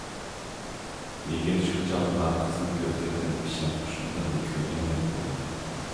يىگىت شۇ چاغدىلا قىزنىڭ كۆزلىرىدىن ئىشەنچ ئۇچقۇنلىرىنى كۆرگەندەك بولدى.